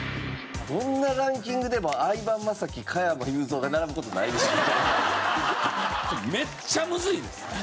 どんなランキングでも相葉雅紀加山雄三が並ぶ事ないでしょうね。